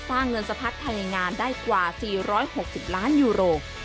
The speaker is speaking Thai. สร้างเงินสะพัดภายในงานได้กว่า๔๖๐ล้านยูโรป